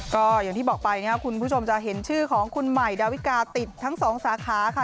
ก็อย่างที่บอกไปนะครับคุณผู้ชมจะเห็นชื่อของคุณใหม่ดาวิกาติดทั้งสองสาขาค่ะ